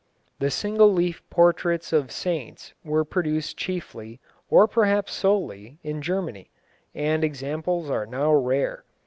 The single leaf portraits of saints were produced chiefly, or perhaps solely, in Germany, and examples are now rare.